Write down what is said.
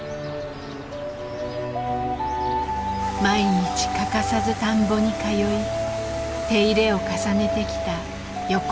毎日欠かさず田んぼに通い手入れを重ねてきた横尾さん。